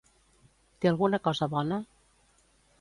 Té alguna cosa bona?